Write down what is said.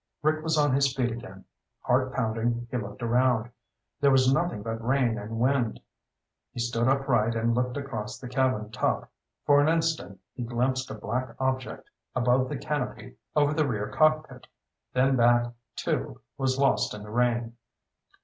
Rick was on his feet again. Heart pounding, he looked around. There was nothing but rain and wind. He stood upright and looked across the cabin top. For an instant he glimpsed a black object above the canopy over the rear cockpit, then that, too, was lost in the rain.